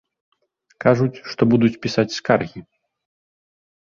Кажуць, што будуць пісаць скаргі.